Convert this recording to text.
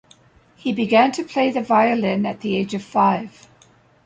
He began to play the violin at the age of five.